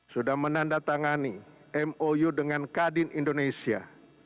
sudah menandatangani mou dengan kadin indonesia